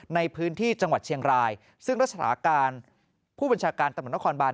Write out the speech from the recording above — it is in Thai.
ในพื้นที่จังหวัดเชียงรายซึ่งรักษาการผู้บัญชาการตำรวจนครบาน